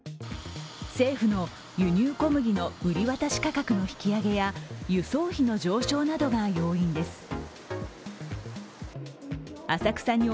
政府の輸入小麦の売り渡し価格の引き上げや輸送費の上昇などが要因です。